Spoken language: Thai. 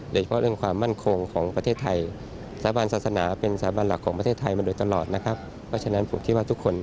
เรื่องความมั่นคงของประเทศไทยสถาบันศาสนาเป็นสถาบันหลักของประเทศไทยมาโดยตลอดนะครับเพราะฉะนั้นผมคิดว่าทุกคน